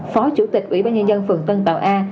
phó chủ tịch ủy ban nhân dân phường tân tàu a